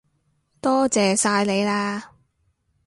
多謝晒你喇